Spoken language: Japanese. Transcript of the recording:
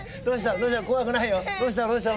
どうしたの？